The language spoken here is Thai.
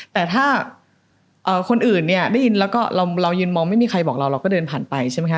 แต่ถ้าคนอื่นเนี่ยได้ยินแล้วก็เรายืนมองไม่มีใครบอกเราเราก็เดินผ่านไปใช่ไหมคะ